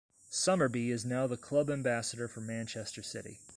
Summerbee is now the Club Ambassador for Manchester City.